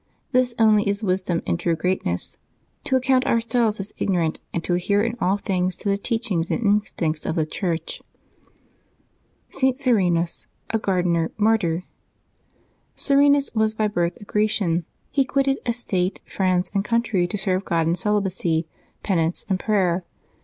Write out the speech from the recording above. This only is wis dom and true greatness, to account ourselves as ignorant, and to adhere in all things to the teachings and instincts of the Church. ST. SERENUS, a Gardener, Martyr. [ERBNUs was by birth a Grecian. He quitted estate, friends, and country to serve God in celibacy, pen ance, and prayer.